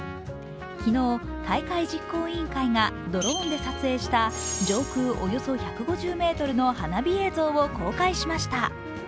昨日、大会実行委員会がドローンで撮影した上空およそ１５０ｍの花火映像を公開しました。